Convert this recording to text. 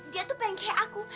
dia tuh pengen kayak aku